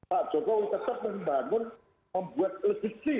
soal pak jokowi tetap membangun membuat elektriksi